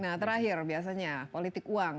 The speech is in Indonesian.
nah terakhir biasanya politik uang